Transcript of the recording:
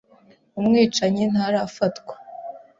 Umwicanyi ntarafatwa.